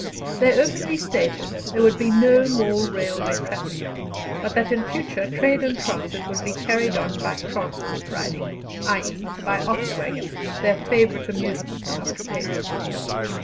They openly stated there would be no more railway traffic, but that in future trade and transit would be carried on by transport riding i.e., by ox waggon, their favourite amusement and occupation.